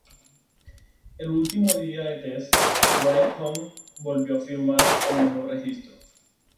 El último día de test, Räikkönen volvió a firmar el mejor registro.